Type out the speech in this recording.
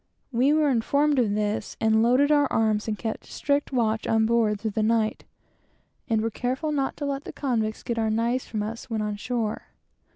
We were informed of this, and loaded our arms and kept strict watch on board through the night, and were careful not to let the convicts get our knives from us when on shore.